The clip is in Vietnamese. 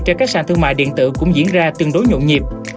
trên các sàn thương mại điện tử cũng diễn ra tương đối nhộn nhịp